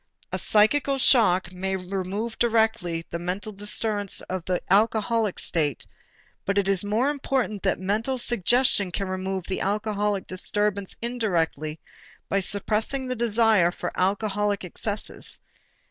A psychical shock may remove directly the mental disturbance of the alcoholic state, but it is more important that mental suggestion can remove the alcoholic disturbance indirectly by suppressing the desire for alcoholic excesses.